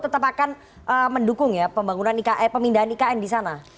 apakah anda akan mendukung pemindahan ikn di sana